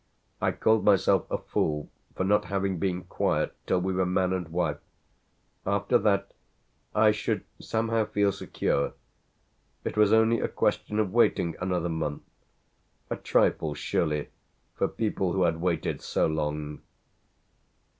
I called myself a fool for not having been quiet till we were man and wife. After that I should somehow feel secure. It was only a question of waiting another month a trifle surely for people who had waited so long.